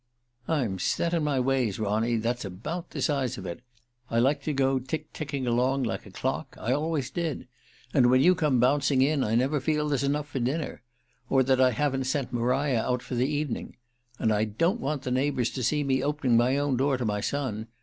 "I'm set in my ways, Ronny, that's about the size of it; I like to go tick ticking along like a clock. I always did. And when you come bouncing in I never feel sure there's enough for dinner or that I haven't sent Maria out for the evening. And I don't want the neighbors to see me opening my own door to my son.